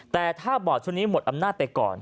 แต่ถ้าบอร์ดชุดนี้หมดอำนาจไปก่อน